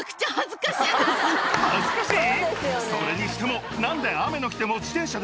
恥ずかしい？